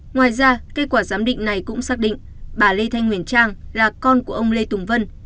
ngoài ra kết quả giám định này cũng xác định bà lê thanh huyền trang là con của ông lê tùng vân